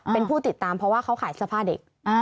เป็นผู้ติดตามเพราะว่าเขาขายเสื้อผ้าเด็ก